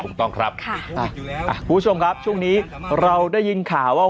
ถูกต้องครับคุณผู้ชมครับช่วงนี้เราได้ยินข่าวว่า